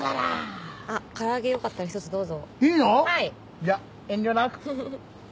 じゃ遠慮なく。